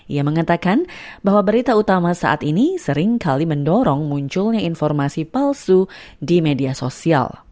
ia mengatakan bahwa berita utama saat ini seringkali mendorong munculnya informasi palsu di media sosial